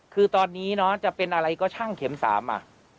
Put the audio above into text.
คือตอนนี้น้องจะเป็นอะไรก็ช่างเข็มสามอ่ะ